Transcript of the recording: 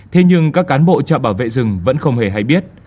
thế nhưng các cán bộ trạm bảo vệ rừng vẫn không hề hay biết